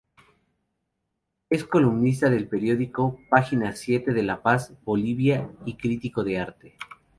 Es columnista del periódico Página Siete de La Paz, Bolivia y crítico de arte.